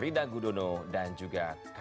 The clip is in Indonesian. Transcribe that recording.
resepsi malam rina gudono dan juga kak isang erina